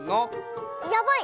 「やばい！